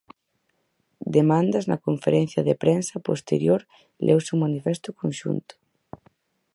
Demandas Na conferencia de prensa posterior leuse un manifesto conxunto.